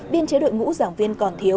biên chế đội ngũ giảng viên còn thiếu